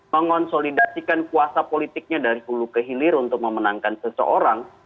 mengonsolidasikan kuasa politiknya dari hulu ke hilir untuk memenangkan seseorang